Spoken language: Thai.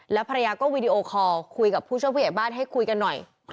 แล้วภรรยาก็วีดีโอคอร์คุยกับผู้ช่วยผู้ใหญ่บ้านให้คุยกันหน่อย